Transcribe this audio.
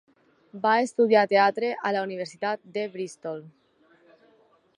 Va estudiar teatre a la Universitat de Bristol.